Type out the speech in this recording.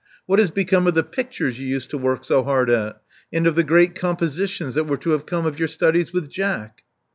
What has become of the pictures you used to work so hard at, and of th§ great compositions that were to have come of your studies with Jack?"